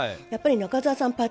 やっぱり中澤さん